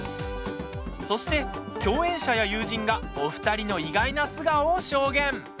そして、共演者や友人がお二人の意外な素顔を証言。